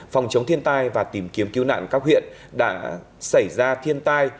phòng chống thiên tai và tìm kiếm cứu nạn các huyện đã xảy ra thiên tai